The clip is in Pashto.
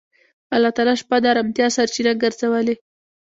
الله تعالی شپه د آرامتیا سرچینه ګرځولې.